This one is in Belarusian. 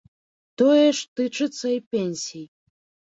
Тое ж тычыцца і пенсій.